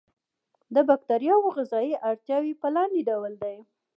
د باکتریاوو غذایي اړتیاوې په لاندې ډول دي.